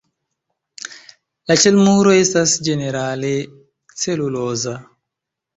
La ĉelmuro estas ĝenerale celuloza.